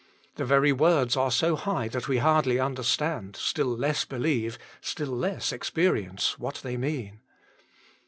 The very words are so high that we hardly understand, still less believe, still less experience what they mean.